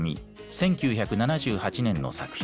１９７８年の作品。